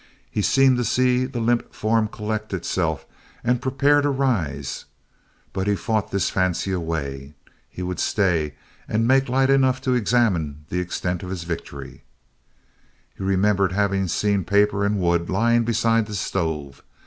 He seemed to see the limp form collect itself and prepare to rise. But he fought this fancy away. He would stay and make light enough to examine the extent of his victory. He remembered having seen paper and wood lying beside the stove.